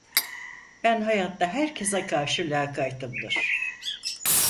Ben hayatta herkese karşı lakaydımdır…